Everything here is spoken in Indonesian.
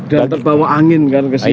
dan terbawa angin kan ke sini